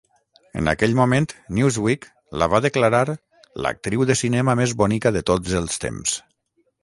En aquell moment, "Newsweek" la va declarar "l'actriu de cinema més bonica de tots els temps".